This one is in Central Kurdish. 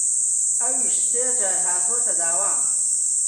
ئەویش سێ جار هاتووەتە داوام